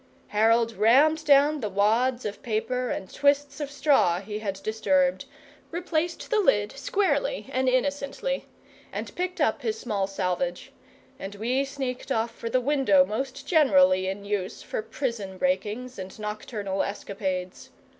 Harold rammed down the wads of paper and twists of straw he had disturbed, replaced the lid squarely and innocently, and picked up his small salvage; and we sneaked off for the window most generally in use for prison breakings and nocturnal escapades.